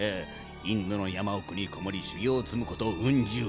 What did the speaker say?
インドの山奥に籠もり修行を積むことうん十年。